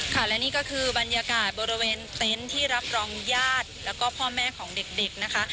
ค่ะและนี่ก็คือบรรยากาศบริเวณเต็นต์ที่รับรองญาติแล้วก็พ่อแม่ของเด็กนะคะ